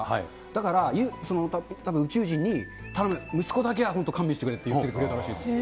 だから、たぶん宇宙人に、頼む、息子だけは本当に勘弁してくれって言ってくれたらしいですよ。